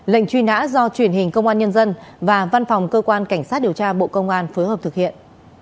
lệnh truy nã do truyền hình công an nhân dân và văn phòng cơ quan cảnh sát điều tra bộ công an phối hợp thực hiện